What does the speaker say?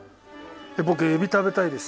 僕エビ食べたいです。